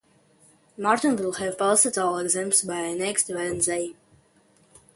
Martin will have passed all the exams by next Wednesday.